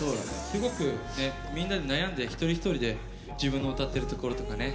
すごく、みんなで悩んで一人一人で自分の歌ってるところとかね。